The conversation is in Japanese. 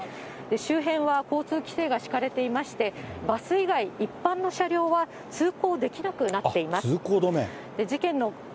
周辺は交通規制が敷かれていまして、バス以外、一般の車両は通行できなくなっています。